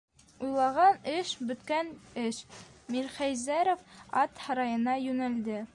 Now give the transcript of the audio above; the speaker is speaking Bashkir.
Уйлаған эш - бөткән эш: Мирхәйҙәров ат һарайына йүнәлде.